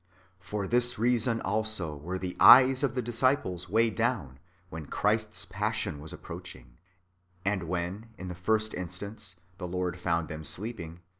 ^ For this reason also were the eyes of the disciples w^eighed down when Christ's passion was approaching ; and when, in the first instance, the Lord found them sleeping.